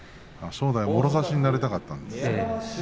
正代のもろ差しになりたかったんですね。